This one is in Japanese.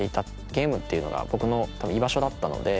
ゲームっていうのが僕の居場所だったので。